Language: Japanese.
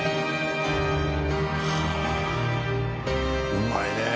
うまいね。